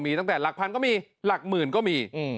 มีตั้งแต่หลักพันก็มีหลักหมื่นก็มี